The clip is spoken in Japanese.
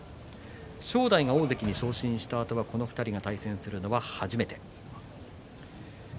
正代が大関に昇進したあとはこの２人の対戦は初めてです。